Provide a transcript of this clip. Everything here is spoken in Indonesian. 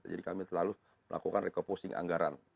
jadi kami selalu melakukan re composing anggaran